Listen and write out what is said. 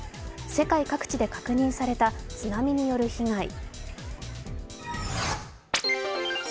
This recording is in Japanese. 世界各地で確認された津波による被害。